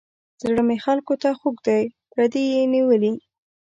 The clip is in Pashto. زړه مې خلکو ته خوږ دی پردي یې نیولي.